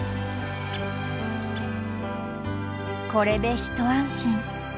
これで一安心。